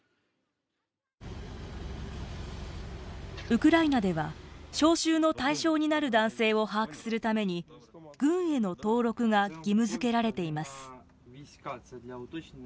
ウクライナでは招集の対象になる男性を把握するために軍への登録が義務づけられています。